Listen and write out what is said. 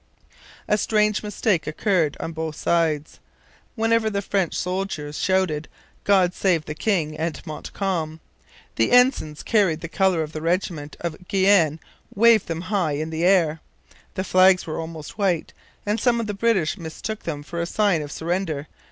A strange mistake occurred on both sides. Whenever the French soldiers shouted 'God save the King and Montcalm,' the ensigns carrying the colours of the regiment of Guienne waved them high in the air. The flags were almost white, and some of the British mistook them for a sign of surrender.